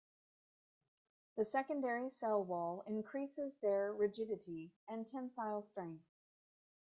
The secondary cell wall increases their rigidity and tensile strength.